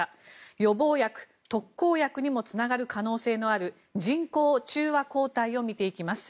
予防薬、特効薬にもつながる可能性のある人工中和抗体を見ていきます。